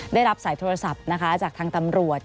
ได้รับสายโทรศัพท์นะคะจากทางตำรวจ